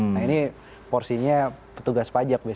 nah ini porsinya petugas pajak